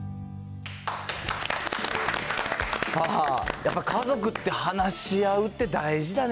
やっぱ家族って話し合うって大事だね。